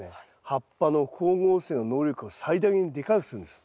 葉っぱの光合成の能力を最大にでかくするんです。